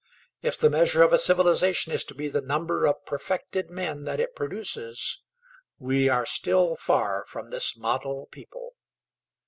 If the measure of a civilization is to be the number of perfected men that it produces, we are still far from this model people.